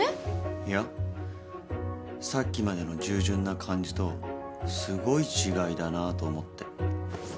いやさっきまでの従順な感じとすごい違いだなと思って。